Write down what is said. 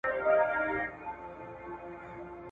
ځیني لیکوالان وایي چي خوشحال خټک به سرتور ګرځېده.